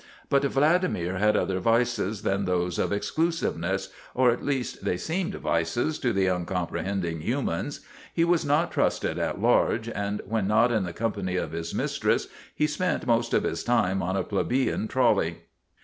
But Vladimir had other vices than those of ex clusiveness or at least they seemed vices to the uncomprehending humans. He was not trusted at large, and when not in the company of his mistress he spent most of his time on a plebeian trolley.